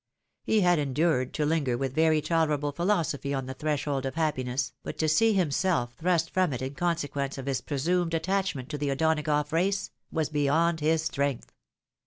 He had endured to linger with very tolerable philosopliy on the tlireshold of happiness, but to see himself thrust from it in consequence of his presumed attachment to the O'Donagough race, was beyond his strength.